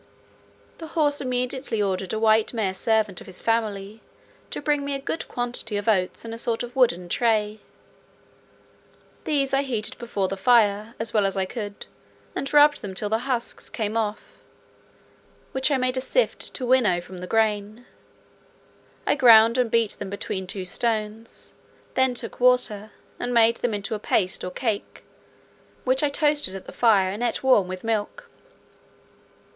The horse immediately ordered a white mare servant of his family to bring me a good quantity of oats in a sort of wooden tray. These I heated before the fire, as well as I could, and rubbed them till the husks came off, which I made a shift to winnow from the grain. I ground and beat them between two stones; then took water, and made them into a paste or cake, which I toasted at the fire and eat warm with milk.